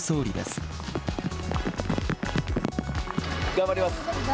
頑張ります。